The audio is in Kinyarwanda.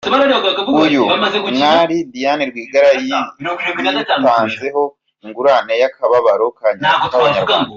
Uyu mwari Diane Rwigara yitanzeho ingurane y’akababaro k’Abanyarwanda!